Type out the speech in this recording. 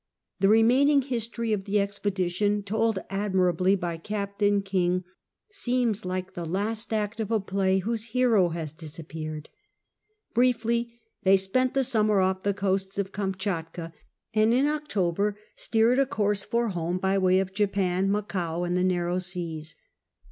The remaining history of the expedition, told admir ably by Captain King, seems like the last act of a play whose hero has disappeared. Briefly, they spent the summer off the coasts of Kamschatka, and in October steered a course for home by way of Japan, Macao, and the Narrow Seas.